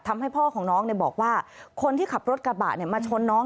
ทำให้พ่อของน้องบอกว่าคนที่ขับรถกระบะมาชนน้อง